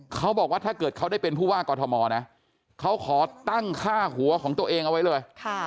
เขาบอกว่าถ้าเกิดเขาได้เป็นผู้ว่ากอทมนะเขาขอตั้งค่าหัวของตัวเองเอาไว้เลย